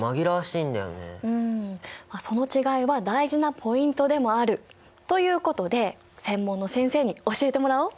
うんまあその違いは大事なポイントでもある！ということで専門の先生に教えてもらおう。